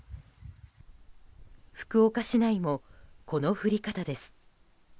福岡市内も、この降り方です。